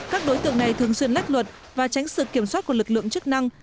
các đối tượng này thường xuyên lách luật và tránh sự kiểm soát của lực lượng chức năng